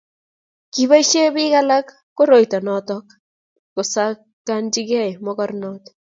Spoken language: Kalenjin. kiboisie biik alak koroito noto kosakanjigei mokornot